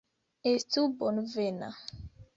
Estu bonvena!